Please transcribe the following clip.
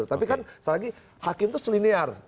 tapi kan selagi hakim itu selinear